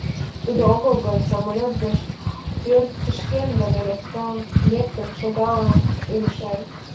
Тудо огыл гын, самолет гыч портышкем дене лектын шогалам ыле чай.